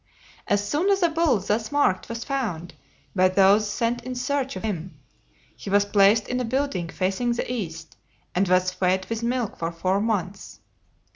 As soon as a bull thus marked was found by those sent in search of him, he was placed in a building facing the east, and was fed with milk for four months.